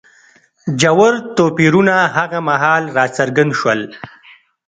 ژور توپیرونه هغه مهال راڅرګند شول.